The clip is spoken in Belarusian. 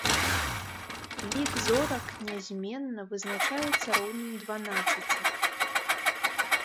Лік зорак нязменна, вызначаецца роўным дванаццаці.